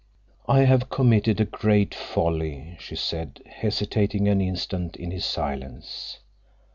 "I have committed a great folly," she said, hesitating an instant in his silence.